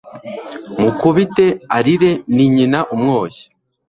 mukubite arire ni nyina umwoshya